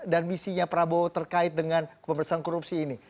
dan misinya prabowo terkait dengan pembesaran korupsi ini